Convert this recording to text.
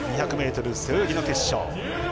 ２００ｍ背泳ぎの決勝。